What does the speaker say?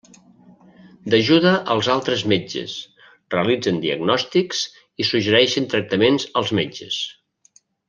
D'ajuda als altres metges, realitzen diagnòstics i suggereixen tractaments als metges.